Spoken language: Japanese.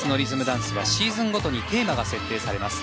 ダンスはシーズンごとにテーマが設定されます。